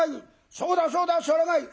「そうだそうだそれがいい！」。